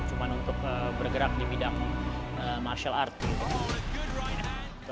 cuma untuk bergerak di bidang martial art gitu